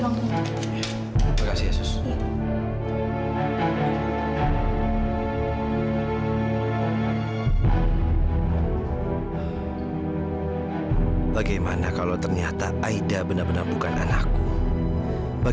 sampai jumpa di video selanjutnya